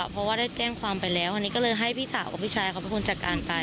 เพราะว่าได้แจ้งความไปแล้วอันนี้ก็เลยให้พี่สาวกับพี่ชายเขาเป็นคนจัดการไป